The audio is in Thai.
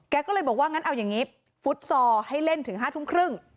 แกก็เลยบอกว่างั้นเอาอย่างนี้ฟุตซอลให้เล่นถึง๕ทุ่มครึ่ง